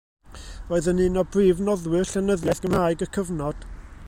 Roedd yn un o brif noddwyr llenyddiaeth Gymraeg y cyfnod.